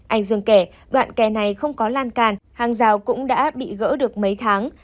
anh dương kể đoạn kè này không có lan can hàng rào cũng đã bị gỡ được mấy tháng